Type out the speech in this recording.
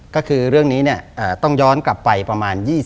ก็คือเรื่องนี้ต้องย้อนกลับไปประมาณ๒๐